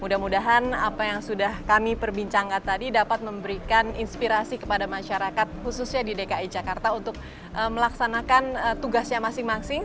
mudah mudahan apa yang sudah kami perbincangkan tadi dapat memberikan inspirasi kepada masyarakat khususnya di dki jakarta untuk melaksanakan tugasnya masing masing